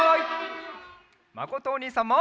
まことおにいさんも！